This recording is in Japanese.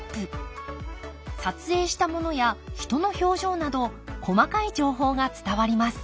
撮影したものや人の表情など細かい情報が伝わります。